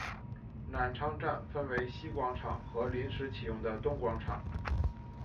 南昌站分为西广场和临时启用的东广场。